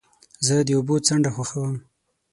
زه د اوبو څنډه خوښوم.